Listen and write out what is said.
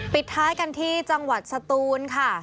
ปิดท้ายกันที่จังหวัดสตูนค่ะ